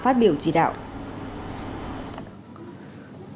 phát biểu chỉ đạo tại hội nghị